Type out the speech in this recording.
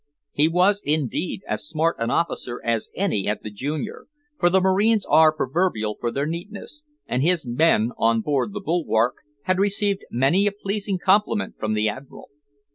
He was, indeed, as smart an officer as any at the Junior, for the Marines are proverbial for their neatness, and his men on board the Bulwark had received many a pleasing compliment from the Admiral.